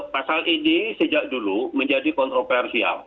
pasal ini sejak dulu menjadi kontroversial